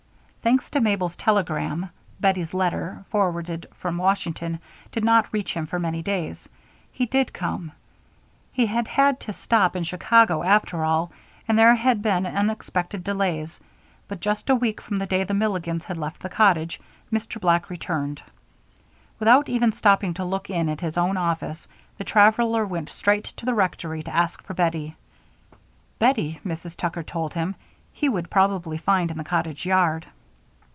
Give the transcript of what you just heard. Thanks to Mabel's telegram (Bettie's letter, forwarded from Washington, did not reach him for many days) he did come. He had had to stop in Chicago, after all, and there had been unexpected delays; but just a week from the day the Milligans had left the cottage, Mr. Black returned. Without even stopping to look in at his own office, the traveler went straight to the rectory to ask for Bettie. Bettie, Mrs. Tucker told him, he would probably find in the cottage yard.